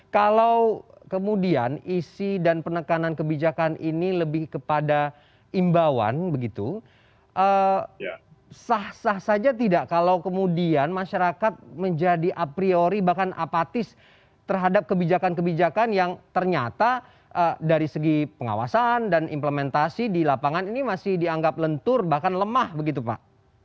kalau kemudian isi dan penekanan kebijakan ini lebih kepada imbawan sah sah saja tidak kalau kemudian masyarakat menjadi a priori bahkan apatis terhadap kebijakan kebijakan yang ternyata dari segi pengawasan dan implementasi di lapangan ini masih dianggap lentur bahkan lemah begitu pak